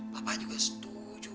papa juga setuju